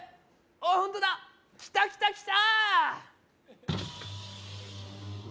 あっホントだきたきたきた！